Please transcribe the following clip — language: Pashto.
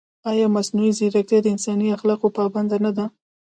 ایا مصنوعي ځیرکتیا د انساني اخلاقو پابنده نه ده؟